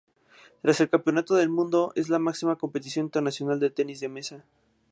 Tras el Campeonato del mundo, es la máxima competición internacional de tenis de mesa.